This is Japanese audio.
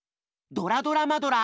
「ドラドラマドラ！